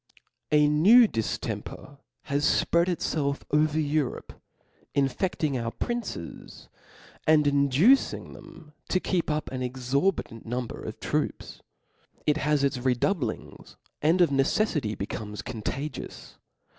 A New diftempcr has fpread itfclf over Eu ^^^ rope, infefting our princes, and inductng them to keep up an exorbitant number of troops. It (has its redoubliogs, and of necelTity becomes contagious.